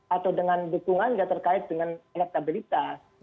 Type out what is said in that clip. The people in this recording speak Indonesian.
atau dengan dukungan yang terkait dengan elektabilitas